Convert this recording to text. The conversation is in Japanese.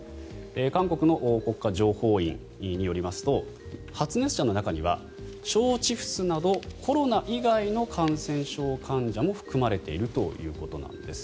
韓国の国家情報院によりますと発熱者の中には腸チフスなどコロナ以外の感染症患者も含まれているということなんです。